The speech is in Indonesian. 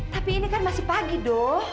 tapi ini kan masih pagi dong